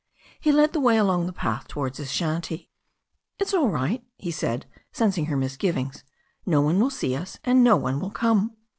He led the way along the path towards his shanty. "It's all right," he said, sensing her misgivings. "No one will see us, and no one will come."